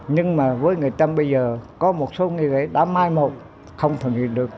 nhưng mà với người trâm bây giờ có một số nghi lễ đã mai một không thực hiện được